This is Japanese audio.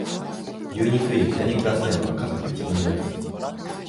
牛肉より豚肉が好きなのは家族で自分だけ